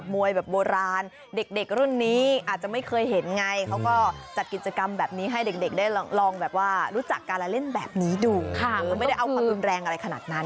ไม่ได้เอาความรุนแรงอะไรขนาดนั้น